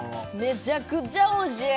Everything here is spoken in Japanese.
めちゃくちゃおいしい！